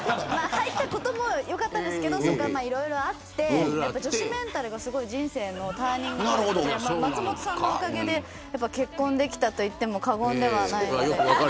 入ったこともよかったですけどいろいろあって女子メンタルがすごい人生のターニングポイントで松本さんのおかげで結婚できたと言っても過言ではない。